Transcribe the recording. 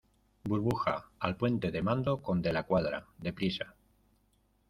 burbuja, al puente de mando con De la Cuadra , deprisa.